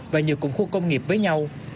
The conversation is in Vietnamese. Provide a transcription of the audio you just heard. và nhiều cụm khu công nghiệp với nhau